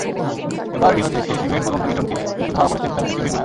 এবার রিওতে শেষ ইভেন্ট পর্যন্ত ইটনকে পিছু ধাওয়া করেছেন ফ্রান্সের কেভিন মায়ার।